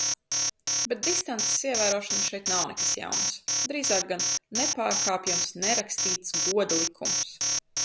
Bet distances ievērošana šeit nav nekas jauns, drīzāk gan nepārkāpjams, nerakstīts goda likums.